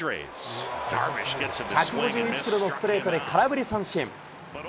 １５１キロのストレートで空振り三振。